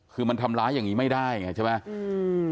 คือมันทำร้ายอย่างนี้ไม่ได้ไงใช่ไหม